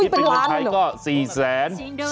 เป็นร้อนใครก็๔๔๐๐๐๐บาท